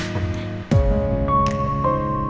sini kita mulai mencoba